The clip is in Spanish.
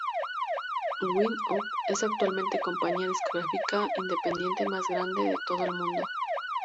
Wind-up es actualmente la compañía discográfica independiente más grande de todo el mundo.